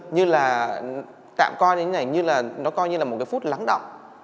như là tạm coi như là một phút lắng động